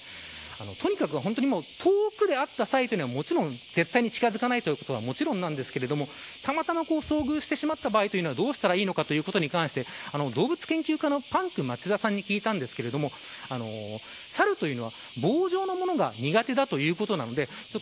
とにかく本当に、もう遠くで会った際というのは、もちろん絶対に近づかないことはもちろんなんですがたまたま遭遇してしまった場合どうしたらいいのかということに関して動物研究家のパンク町田さんに聞いたんですがサルというのは棒状のものが苦手だということなので。